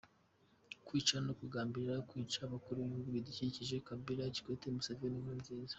– Kwica no kugambirira kwica abakuru b’ ibihugu bidukikije: Kabira, Kikwete, Museveni, Nkurunziza;